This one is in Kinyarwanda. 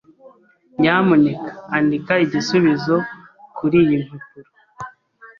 Nyamuneka andika igisubizo kuriyi mpapuro.